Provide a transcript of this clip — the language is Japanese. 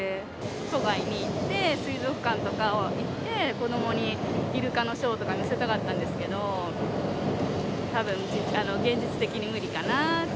都外に行って、水族館とかを行って、子どもにイルカのショーとか見せたかったんですけど、たぶん、現実的に無理かなって。